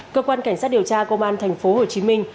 cơ quan cảnh sát điều tra công an thành phố hồ chí minh